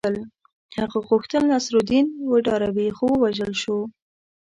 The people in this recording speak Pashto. هغه غوښتل نصرالدین وډاروي خو ووژل شو.